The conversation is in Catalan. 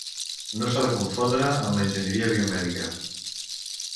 No s'ha de confondre amb l'enginyeria biomèdica.